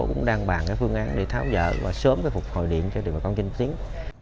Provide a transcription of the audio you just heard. cũng đang bàn cái phương án để tháo dở và sớm cái phục hồi điện cho đều bà con trên tiếng